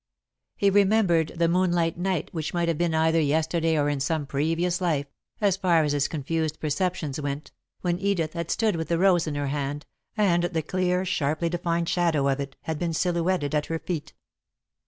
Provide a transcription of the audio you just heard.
He remembered the moonlight night which might have been either yesterday or in some previous life, as far as his confused perceptions went, when Edith had stood with the rose in her hand, and the clear, sharply defined shadow of it had been silhouetted at her feet.